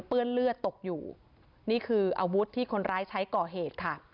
เลือดเลือดตกอยู่นี่คืออาวุธที่คนร้ายใช้ก่อเหตุค่ะ